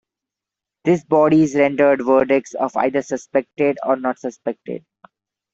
These bodies rendered “verdicts” of either suspected or not suspected.